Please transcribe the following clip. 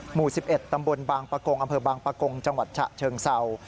หมู่๑๑ตำบลบางปะกงอำเภอบางปะกงจังหวัดฉะเชิงเศร้า